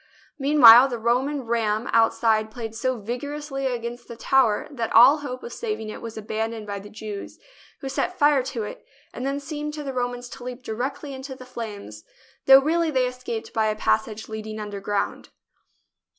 Mean while the Roman ram outside played so vigorously against the tower that all hope of saving it was abandoned by the Jews, who set fire to it and then seemed to the Romans to leap directly into the flames, though really they escaped by a passage leading underground.